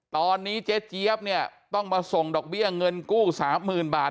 ตอนนี้เจ๊เจี๊ยบเนี่ยต้องมาส่งดอกเบี้ยเงินกู้๓๐๐๐บาท